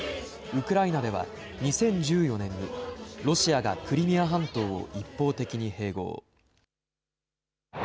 ウクライナでは２０１４年にロシアがクリミア半島を一方的に併合。